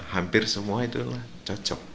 hampir semua itu cocok